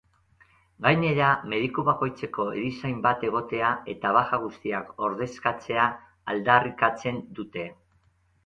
Gainera, mediku bakoitzeko erizain bat egotea eta baja guztiak ordezkatzea aldarrikatzen dute.